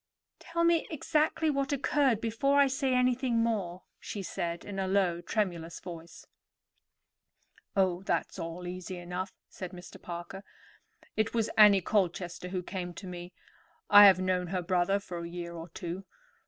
"Tell me exactly what occurred before I say anything more," she said in a low, tremulous voice. "Oh, that's all easy enough," said Mr. Parker. "It was Annie Colchester who came to me. I have known her brother for a year or two.